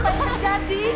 apa yang terjadi